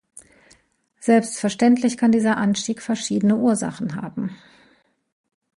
Selbstverständlich kann dieser Anstieg verschiedene Ursachen haben.